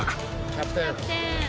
キャプテン。